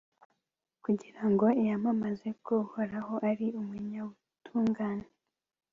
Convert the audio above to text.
kugira ngo yamamaze ko uhoraho ari umunyabutungane